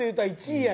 １位。